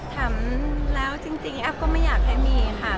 ถามแล้วจริงแอฟก็ไม่อยากให้มีค่ะ